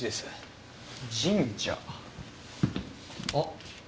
あっ。